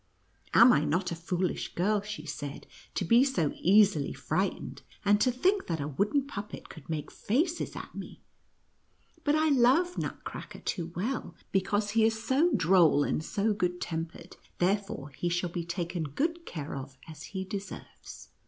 " Am I not a foolish girl," she said, " to be so easily frightened, and to think that a wooden puppet could make faces at me ? But I love Nutcracker too well, because he is so droll and so good tempered; therefore he shall be taken good care of as he deserves."